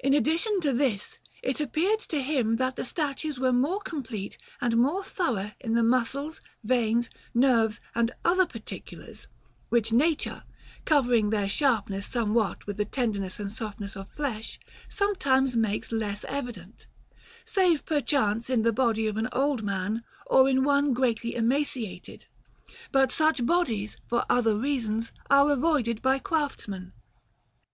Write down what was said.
In addition to this, it appeared to him that the statues were more complete and more thorough in the muscles, veins, nerves, and other particulars, which nature, covering their sharpness somewhat with the tenderness and softness of flesh, sometimes makes less evident, save perchance in the body of an old man or in one greatly emaciated; but such bodies, for other reasons, are avoided by craftsmen.